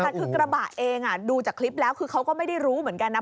แต่คือกระบะเองดูจากคลิปแล้วคือเขาก็ไม่ได้รู้เหมือนกันนะ